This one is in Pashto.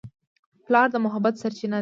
پلار د محبت سرچینه ده.